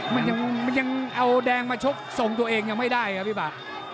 มันยังเอาแดงมาชกทรงตัวเองยังไม่ได้ครับพี่บาท